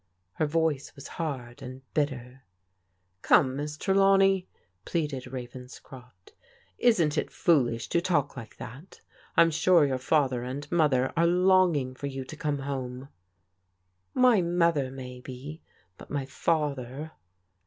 Her voice was hard and bitter. " Come, Miss Trelawney," pleaded Ravenscrof t, " isn't it foolish to talk like that? I'm sure your father and mother are longing for you to come home." " My mother may be, but my father